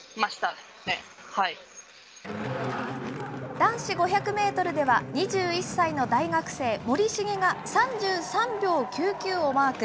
男子５００メートルでは、２１歳の大学生、森重が３３秒９９をマーク。